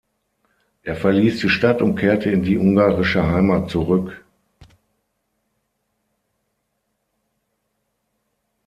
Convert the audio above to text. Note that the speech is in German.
Er verließ die Stadt und kehrte in die ungarische Heimat zurück.